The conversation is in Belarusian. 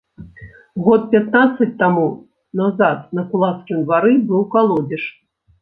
Год пятнаццаць таму назад на кулацкім двары быў калодзеж.